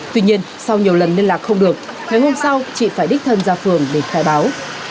tuy nhiên sau nhiều lần liên lạc không được ngày hôm sau chị phải đích thân ra phường để khai báo